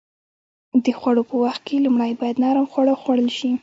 د خوړو په وخت کې لومړی باید نرم خواړه وخوړل شي.